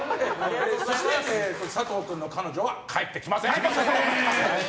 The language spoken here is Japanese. そして、佐藤君の彼女は帰ってきません。